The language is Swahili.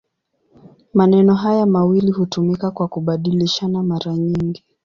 Maneno haya mawili hutumika kwa kubadilishana mara nyingi.